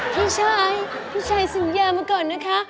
พี่ชายพี่ชายซื้อยามาก่อนนะคะ